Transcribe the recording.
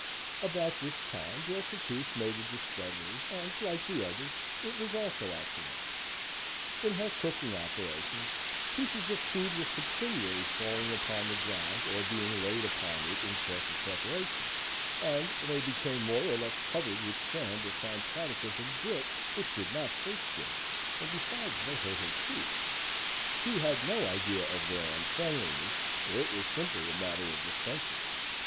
About this time Broken Tooth made a discovery and, like the others, it was also accidental. In her cooking operations, pieces of food were continually falling upon the ground or being laid upon it in course of preparation, and they became more or less covered with sand or fine particles of grit, which did not taste good, and, besides, they hurt her teeth. She had no idea of their uncleanliness; it was simply a matter of discomfort.